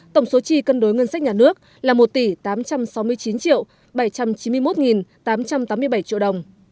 tổng số chi cân đối ngân sách nhà nước là một tỷ tám trăm sáu mươi chín bảy trăm chín mươi một tám trăm tám mươi bảy triệu đồng